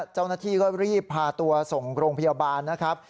เจ้าหน้าที่ก็รีบพาตัวส่งโรงพยาบาลนะครับ